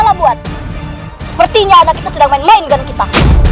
hai kalau buat sepertinya anaknya sedang main main dengan kita